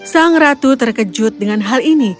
sang ratu terkejut dengan hal ini